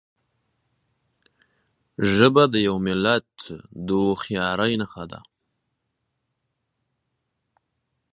ژبه د یو ملت د هوښیارۍ نښه ده.